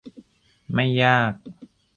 ไม่ยาก